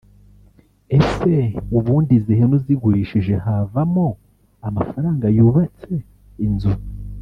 ese ubundi izi hene uzigurishije havamo amafaranga yubatse inzu